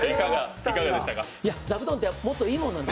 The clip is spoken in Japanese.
いや、座布団ってもっといいもんなんで。